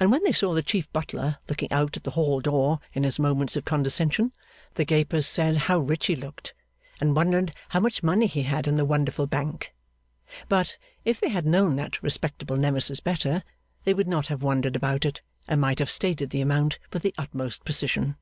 And when they saw the Chief Butler looking out at the hall door in his moments of condescension, the gapers said how rich he looked, and wondered how much money he had in the wonderful Bank. But, if they had known that respectable Nemesis better, they would not have wondered about it, and might have stated the amount with the utmost precision.